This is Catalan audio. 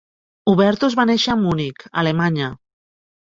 Hubertus va néixer a Munic, Alemanya.